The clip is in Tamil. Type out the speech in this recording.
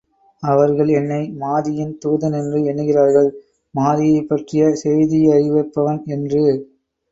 அவர்கள் என்னை மாதியின் தூதன் என்று எண்ணுகிறார்கள், மாதியைப்பற்றிய செய்தியறிவிப்பவன் என்று.